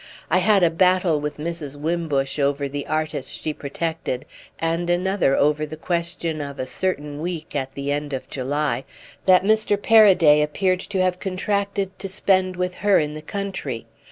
I had a battle with Mrs. Wimbush over the artist she protected, and another over the question of a certain week, at the end of July, that Mr. Paraday appeared to have contracted to spend with her in the country.